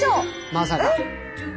まさか！